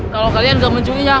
kalau kalian gak mencurinya